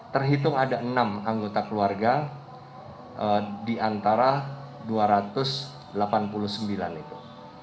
terhitung ada enam anggota keluarga di antara dua ratus delapan puluh sembilan itu